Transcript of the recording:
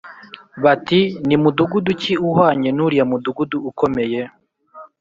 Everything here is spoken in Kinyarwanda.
bati “Ni mudugudu ki uhwanye n’uriya mudugudu ukomeye?”